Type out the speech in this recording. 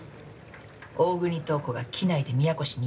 大國塔子が機内で宮越に要求した件。